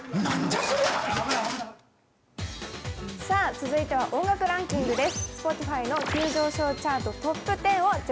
続いては音楽ランキングです。